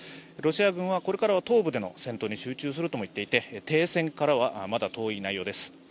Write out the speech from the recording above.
ロシア軍はこれからは東部での攻撃を集中するといっていて停戦からはまだ遠い内容です。